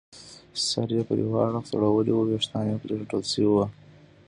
سر یې پر یوه اړخ ځړولی وو چې ویښتان یې پرې راټول شوي وو.